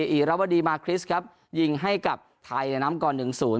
อีรัวดีมาคริสครับยิงให้กับไทยในน้ำกรหนึ่งศูนย์